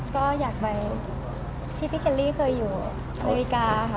ก็อยากไปที่พี่เคลลี่เคยอยู่อเมริกาค่ะ